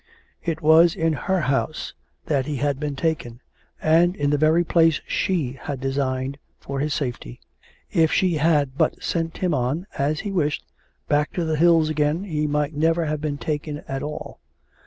It was in her house that he had been taken, and in the very place she had designed for his safety. If she had but sent him on, as he wished, back to the hills again, he might never have been taken at 442 COME RACK! COME ROPE! all.